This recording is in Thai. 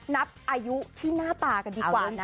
นับอายุที่หน้าตากันดีกว่านะ